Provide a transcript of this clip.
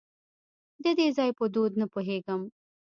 د دې ځای په دود نه پوهېږم .